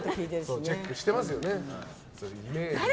チェックしていますよね。